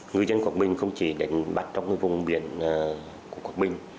ngư dân quảng bình không chỉ đánh bắt trong vùng biển của quảng bình